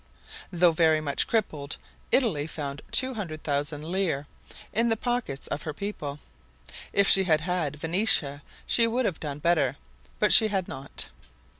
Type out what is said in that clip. Though very much crippled, Italy found 200,000 lire in the pockets of her people. If she had had Venetia she would have done better; but she had not.